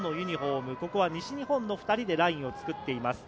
ここは西日本の２人でラインを作っています。